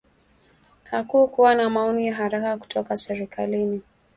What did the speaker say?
Hakukuwa na maoni ya haraka kutoka serikalini